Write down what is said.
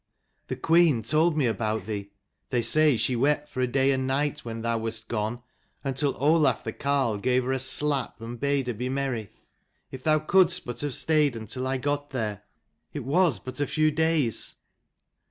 " The queen told me about thee. They say she wept for a day and a night when thou wast gone, until Olaf the carle gave her a slap and bade her be merry. If thou could'st but have stayed until I got there; it was but a few 220 days.